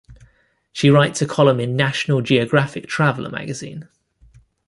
She writes a column in "National Geographic Traveller" magazine.